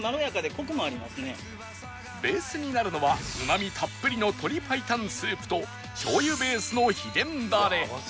ベースになるのはうまみたっぷりの鶏白湯スープと醤油ベースの秘伝ダレ